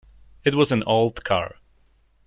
It was an old car.